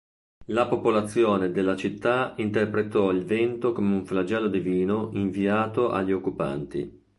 La popolazione della città interpretò il vento come un flagello divino inviato agli occupanti.